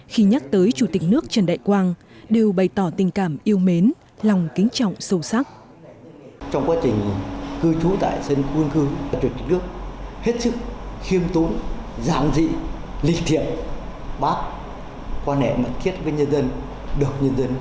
khi nhắc tới chủ tịch nước trần đại quang đều bày tỏ tình cảm yêu mến lòng kính trọng sâu sắc